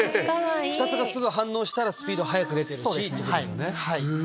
２つがすぐ反応したらスピード速く出てるってこと。